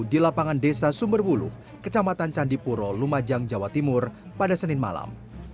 di lapangan desa sumberwulung kecamatan candipuro lumajang jawa timur pada senin malam